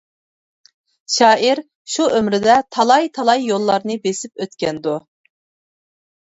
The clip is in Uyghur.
شائىر شۇ ئۆمرىدە تالاي-تالاي يوللارنى بېسىپ ئۆتكەندۇ.